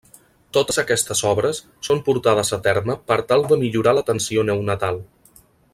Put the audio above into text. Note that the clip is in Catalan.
Totes aquestes obres són portades a terme per tal de millorar l'atenció neonatal.